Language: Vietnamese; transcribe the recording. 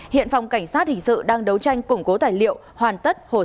hiện phòng cảnh sát hình sự đang đấu tranh củng cố tài liệu hoàn tất hồ sơ vụ án